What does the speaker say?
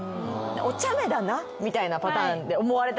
おちゃめだなみたいなパターンで思われたいんですよ。